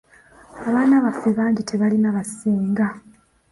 Abaana baffe bangi tebalina ba Ssenga.